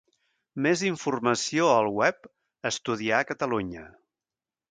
Més informació al web Estudiar a Catalunya.